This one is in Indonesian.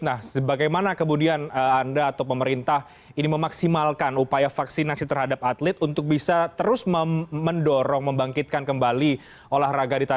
nah bagaimana kemudian anda atau pemerintah ini memaksimalkan upaya vaksinasi terhadap atlet untuk bisa terus mendorong membangkitkan kembali olahraga di tanah air